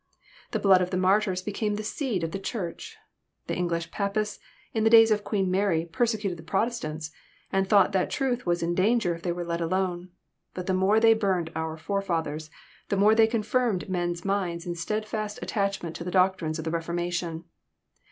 The blood of the martyrs became the seed of the Church. — The English Papists, in the days of Queen Mary, persecuted the Protestants, and thought that truth was in danger if they were let alone. But the more they burned our forefathers, the more they confirmed men's minds in steadfast attachment to the doctrines of the Reformation.